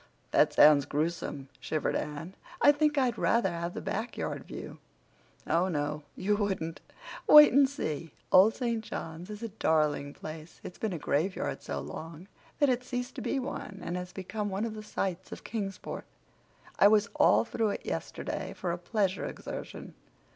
"That sounds gruesome," shivered Anne. "I think I'd rather have the back yard view." "Oh, no, you wouldn't. Wait and see. Old St. John's is a darling place. It's been a graveyard so long that it's ceased to be one and has become one of the sights of Kingsport. I was all through it yesterday for a pleasure exertion.